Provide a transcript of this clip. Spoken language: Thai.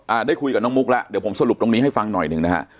ได้คุยกับน้องมุกแล้วเดี๋ยวผมสรุปตรงนี้ให้ฟังหน่อยหนึ่งนะฮะ